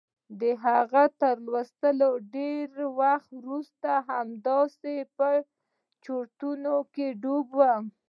د هغه تر لوستلو ډېر وخت وروسته همداسې په چورتونو کې ډوب و.